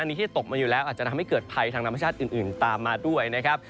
อันนี้ที่ตกมาอยู่แล้วอาจจะทำให้เกิดภัยทางธรรมชาติอื่นตามมาด้วยนะครับ